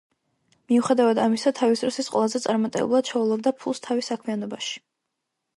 მიუხედავად ამისა, თავის დროს ის ყველაზე წარმატებულად შოულობდა ფულს თავის საქმიანობაში.